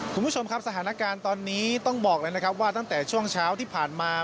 คุณผู้ชมครับสถานการณ์ตอนนี้ต้องบอกเลยนะครับว่าตั้งแต่ช่วงเช้าที่ผ่านมา